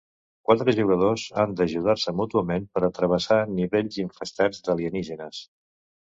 Quatre jugadors han d'ajudar-se mútuament per a travessar nivells infestats d'alienígenes.